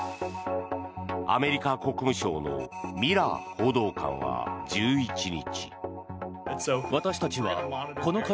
アメリカ国務省のミラー報道官は１１日。